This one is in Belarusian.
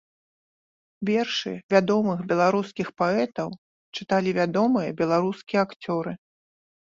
Вершы вядомых беларускіх паэтаў чыталі вядомыя беларускія акцёры.